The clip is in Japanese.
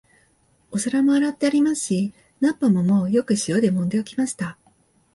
お皿も洗ってありますし、菜っ葉ももうよく塩でもんで置きました